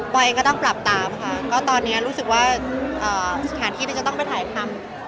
เองก็ต้องปรับตามค่ะก็ตอนนี้รู้สึกว่าสถานที่ที่จะต้องไปถ่ายทำ